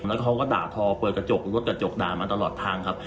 แล้วเขาก็ด่าทอเปิดกระจกรถกระจกด่ามาตลอดทางครับ